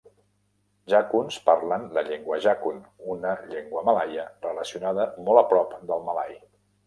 Jakuns parlen la llengua Jakun, una llengua Malaia relacionada molt a prop del malai.